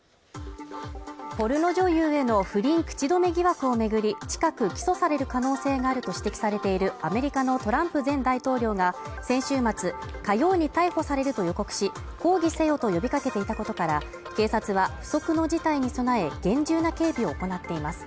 ポルノ女優への不倫口止め疑惑を巡り、近く起訴される可能性があると指摘されているアメリカのトランプ前大統領が先週末火曜に逮捕されると予告し、抗議せよと呼びかけていたことから警察は、不測の事態に備え、厳重な警備を行っています。